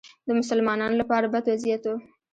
د مسلمانانو لپاره بد وضعیت و